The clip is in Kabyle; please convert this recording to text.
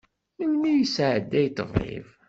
Melmi yesɛedday ṭṭbib?